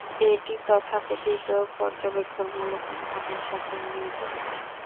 এটি তথাকথিত পর্যবেক্ষণমূলক অনুমানের সাথে মেলে।